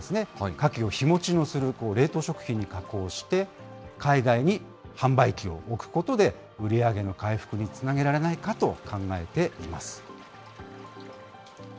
カキを日持ちのする冷凍食品に加工して、海外に販売機を置くことで、売り上げの回復につなげられないかと考えています。